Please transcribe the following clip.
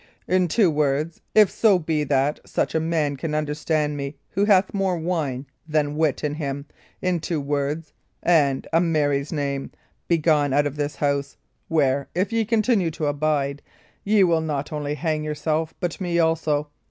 "In two words if so be that such a man can understand me who hath more wine than wit in him in two words, and, a Mary's name, begone out of this house, where, if ye continue to abide, ye will not only hang yourself, but me also!